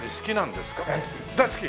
大好き。